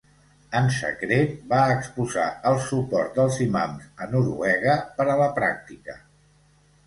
En secret, va exposar el suport dels imams a Noruega per a la pràctica.